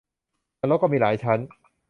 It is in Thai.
นรกก็มีหลายชั้น